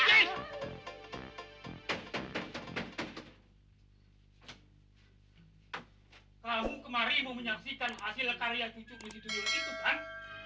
kamu kemarin mau menyaksikan hasil karya cucu mencitunyur itu kan